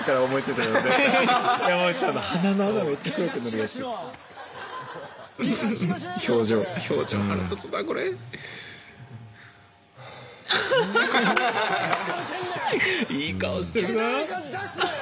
気だるい感じ出すなよ